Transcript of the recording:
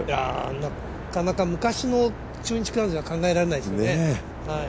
なかなか昔の中日クラウンズでは考えられないですよね。